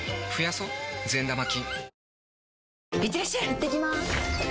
いってきます！